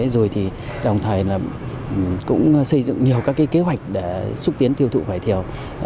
rồi thì đồng thời là cũng xây dựng nhiều các cái kế hoạch để xúc tiến tiêu thụ vải thiều